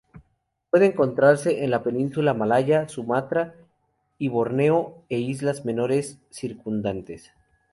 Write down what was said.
Puede encontrarse en la península malaya, Sumatra y Borneo e islas menores circundantes.